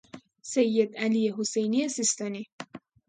سید علی حسینی سیستانی